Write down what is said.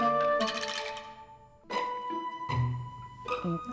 masih ada yang mau dikirim ke hp saya